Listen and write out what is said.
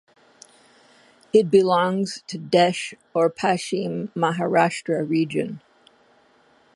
It belongs to Desh or Paschim Maharashtra region.